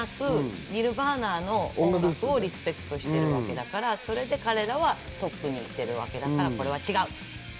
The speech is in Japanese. ジャケットではなくニルヴァーナの音楽をリスペクトしているわけだから、それで彼らはトップにいてるわけだからこれは違う。